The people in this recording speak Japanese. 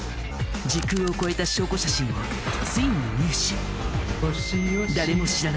時空を超えた証拠写真をついに入手。